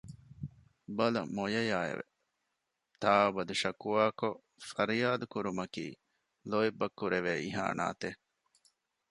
ބަލަ މޮޔަޔާއެވެ! ތާއަބަދު ޝަކުވާކޮށް ފަރިޔާދު ކުރުމަކީ ލޯތްބަށް ކުރެވޭ އިހާނަތެއް